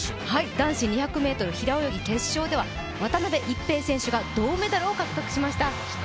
男子２００ｍ平泳ぎ決勝では渡辺一平選手が銅メダルを獲得しました。